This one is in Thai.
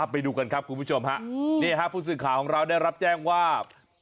ไปดูกันครับคุณผู้ชมฮะนี่ฮะผู้สื่อข่าวของเราได้รับแจ้งว่า